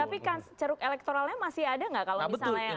tapi kan ceruk elektoralnya masih ada nggak kalau misalnya yang